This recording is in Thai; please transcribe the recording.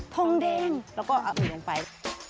ทองแดงแล้วก็เอาลงไป